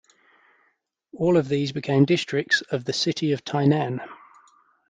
All of these became districts of the city of Tainan.